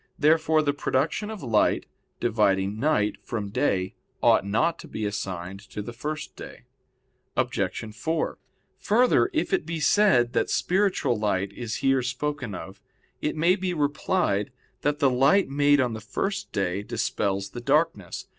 Therefore the production of light, dividing night from day, ought not to be assigned to the first day. Obj. 4: Further, if it be said that spiritual light is here spoken of, it may be replied that the light made on the first day dispels the darkness.